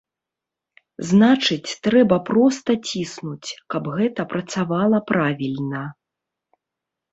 Значыць, трэба проста ціснуць, каб гэта працавала правільна.